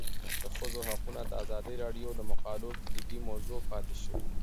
د ښځو حقونه د ازادي راډیو د مقالو کلیدي موضوع پاتې شوی.